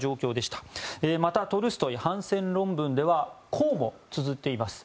また、トルストイは反戦論文ではこうもつづっています。